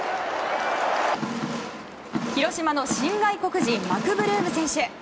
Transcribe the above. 広島の新外国人マクブルーム選手。